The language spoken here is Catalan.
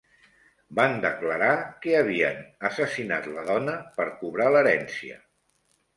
Van declarar que havien assassinat la dona per cobrar l'herència.